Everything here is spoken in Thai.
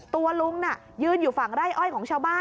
ตัวลุงน่ะยืนอยู่ฝั่งไร่อ้อยของชาวบ้าน